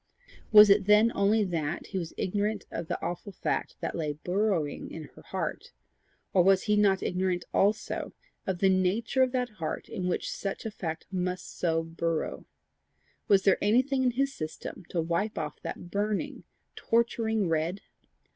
Was it then only that he was ignorant of the awful fact that lay burrowing in her heart, or was he not ignorant also of the nature of that heart in which such a fact must so burrow? Was there anything in his system to wipe off that burning, torturing red?